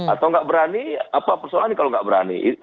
atau nggak berani apa persoalan ini kalau nggak berani